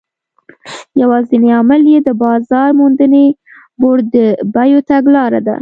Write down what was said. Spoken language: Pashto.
یوازینی عامل یې د بازار موندنې بورډ د بیو تګلاره ده.